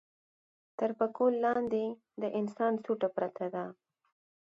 تر پکول لاندې د انسان سوټه پرته ده.